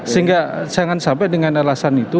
sehingga jangan sampai dengan alasan itu